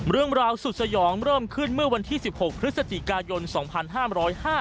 เรื่องราวสุดสยองเริ่มขึ้นเมื่อวันที่สิบหกพฤศจิกายนสองพันห้ามร้อยห้า